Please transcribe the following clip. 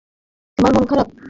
তোমার মন খারাপ?